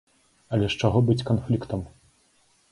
Але з чаго быць канфліктам?